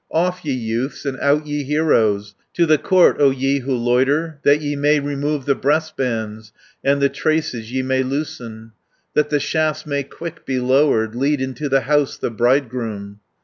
"Off, ye youths, and out ye heroes, To the court, O ye who loiter, That ye may remove the breastbands, And the traces ye may loosen, 60 That the shafts may quick be lowered: Lead into the house the bridegroom."